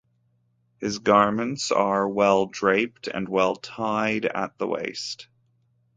His garments are well-draped, and well-tied at the waist.